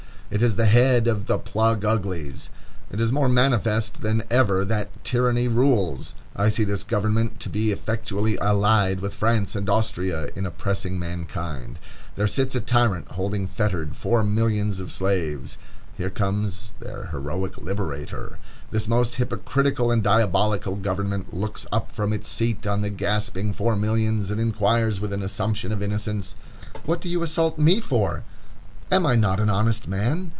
It is the head of the Plug Uglies. It is more manifest than ever that tyranny rules. I see this government to be effectually allied with France and Austria in oppressing mankind. There sits a tyrant holding fettered four millions of slaves; here comes their heroic liberator. This most hypocritical and diabolical government looks up from its seat on the gasping four millions, and inquires with an assumption of innocence: "What do you assault me for? Am I not an honest man?